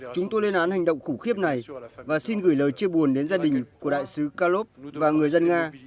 chúng tôi lên án hành động khủng khiếp này và xin gửi lời chia buồn đến gia đình của đại sứ calov và người dân nga